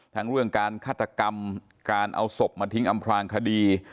ทั้งเรื่องการฆาตกรรมการเอาศพมาทิ้งอำพลางคดี